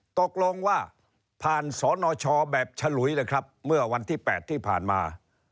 ตกลงว่าผ่านสนชแบบฉลุยเลยครับเมื่อวันที่๘ที่ผ่านมา